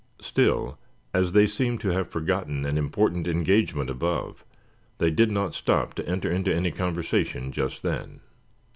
Still, as they seemed to have forgotten an important engagement above, they did not stop to enter into any conversation just then.